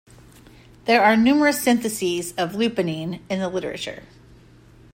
There are numerous syntheses of lupinine in the literature.